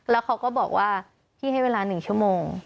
แล้วเขาก็บอกว่าพี่ให้เวลา๑ชั่วโมง